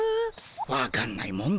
わかんないもんだな。